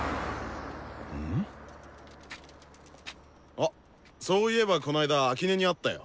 あっそういえばこの間秋音に会ったよ。